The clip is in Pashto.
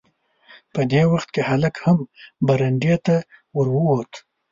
په دې وخت کې هلک هم برنډې ته ور ووت.